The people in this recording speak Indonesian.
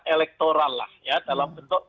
elektoral lah ya dalam bentuk